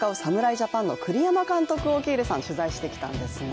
ジャパンの栗山監督を喜入さんは取材してきたんですね。